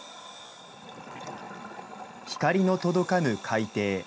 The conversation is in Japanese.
光の届かぬ海底。